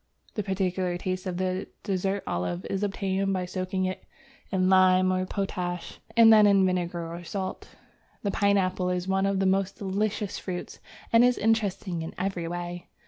The peculiar taste of the dessert olive is obtained by soaking it in lime or potash, and then in vinegar or salt. The Pineapple is one of the most delicious fruits, and is interesting in every way.